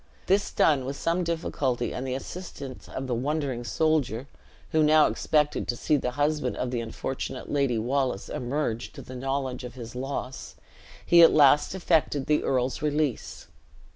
This done, with some difficulty, and the assistance of the wondering soldier (who now expected to see the husband of the unfortunate Lady Wallace emerge to the knowledge of his loss), he at last effected the earl's release.